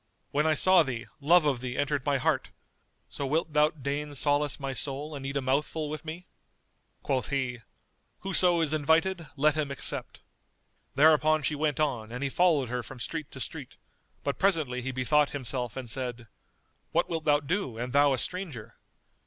When I saw thee, love of thee entered my heart: so wilt thou deign solace my soul and eat a mouthful with me?" Quoth he, "Whoso is invited, let him accept." Thereupon she went on and he followed her from street to street, but presently he bethought himself and said, "What wilt thou do and thou a stranger?